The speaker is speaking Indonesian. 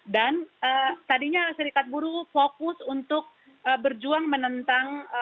dan tadinya serikat buruh fokus untuk berjuang menentang